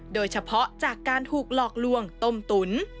โดยเฉพาะจากการถูกหลอกลวงต้มตุ๋น